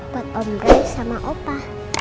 buat om roy sama opa